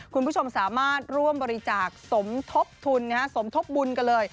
คุณผู้ชมสามารถร่วมบริจาคสมทบทุนสมทบบุญกันเลย